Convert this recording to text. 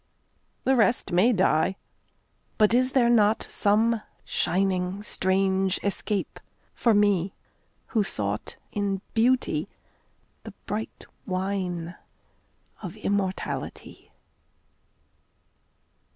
The rest may die but is there not Some shining strange escape for me Who sought in Beauty the bright wine Of immortality?